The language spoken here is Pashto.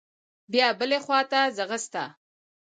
بيا بلې خوا ته ځغسته.